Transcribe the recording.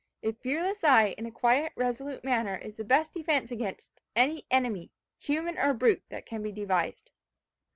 A fearless eye and a quiet resolute manner, is the best defence against any enemy, human or brute, that can be devised.